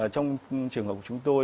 trong trường hợp của chúng tôi